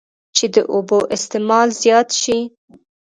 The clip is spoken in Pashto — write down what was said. چې د اوبو استعمال زيات شي